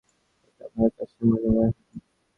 ওটা আমার আছে বলে মনে হয় না।